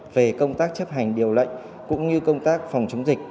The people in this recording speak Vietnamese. về công tác chấp hành điều lệnh cũng như công tác phòng chống dịch